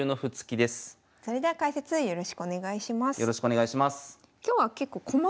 それでは解説よろしくお願いします。